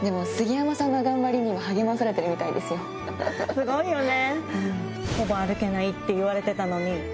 すごいよね。